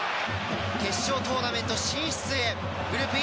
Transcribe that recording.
決勝トーナメント進出へグループＥ。